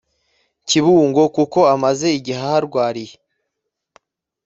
Kibungo kuko amaze igihe aharwariye